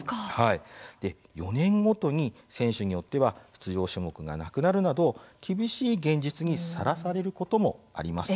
４年ごとに選手によっては出場種目がなくなるなど厳しい現実にさらされることもあります。